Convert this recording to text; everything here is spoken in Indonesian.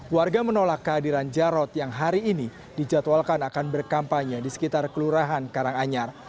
warga menolak kehadiran jarod yang hari ini dijadwalkan akan berkampanye di sekitar kelurahan karanganyar